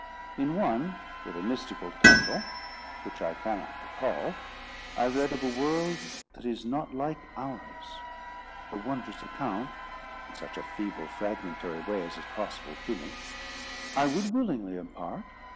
In one, with a mystical title, which I cannot recall, I read of a world that is not like ours. The wondrous account, in such a feeble, fragmentary way as is possible to me, I would willingly impart.